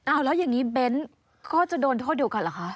เอาแล้วอย่างนี้เบ้นก็จะโดนโทษเดียวกันเหรอคะ